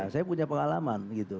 saya punya pengalaman gitu